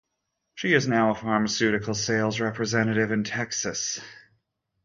She is now a pharmaceutical sales representative in Texas.